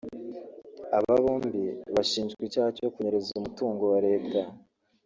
Aba bombi bashinjwa icyaha cyo kunyereza umutungo wa Leta